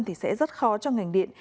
thì sẽ rất khó cho ngành điện